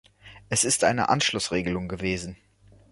Es ist eine Anschlussregelung gewesen.